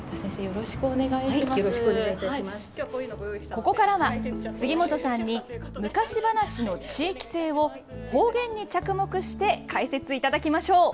ここからは杉本さんに昔話の地域性を方言に着目して解説いただきましょう。